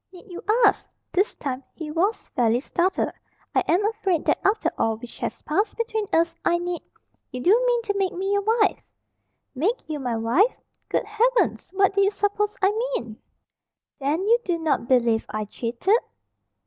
"Need you ask?" This time he was fairly startled. "I am afraid that after all which has passed between us, I need " "You do mean to make me your wife?" "Make you my wife? Good heavens! What do you suppose I mean?" "Then you do not believe I cheated?"